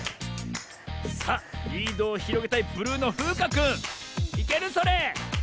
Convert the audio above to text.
さあリードをひろげたいブルーのふうかくんいけるそれ？